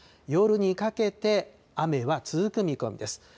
夜にかけて、雨は続く見込みです。